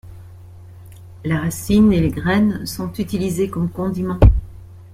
La racine et les graines sont utilisées comme condiment.